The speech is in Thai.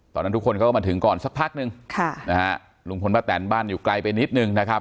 ตอนนั้นทุกคนก็มาถึงก่อนสักพักนึงลุงพลมาแตนบ้านอยู่ไกลไปนิดนึงนะครับ